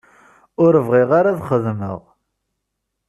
Ur bɣiɣ ara ad xedmeɣ.